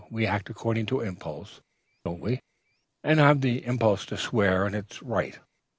'We act according to impulse, don't we? And I've the impulse to swear; and it's right.